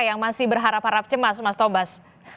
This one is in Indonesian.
yang masih berharap harap cemas mas tobas